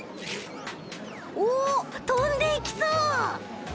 おとんでいきそう！